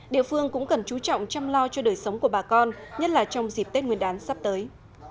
địa phương cũng cần chú trọng chăm lo cho đời sống của bà con nhất là trong dịp tết nguyên đán sắp tới